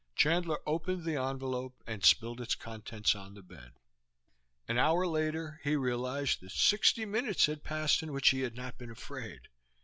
_ Chandler opened the envelope and spilled its contents on the bed. An hour later he realized that sixty minutes had passed in which he had not been afraid.